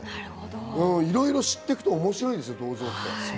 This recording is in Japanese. いろいろ知っていくと面白いんですよ、銅像って。